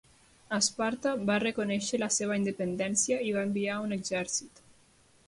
Esparta va reconèixer la seva independència i va enviar un exèrcit.